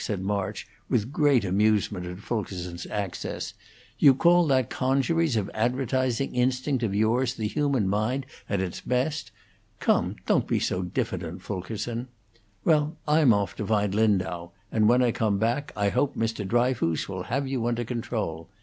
said March, with great amusement at Fulkerson's access; "you call that congeries of advertising instinct of yours the human mind at its best? Come, don't be so diffident, Fulkerson. Well, I'm off to find Lindau, and when I come back I hope Mr. Dryfoos will have you under control.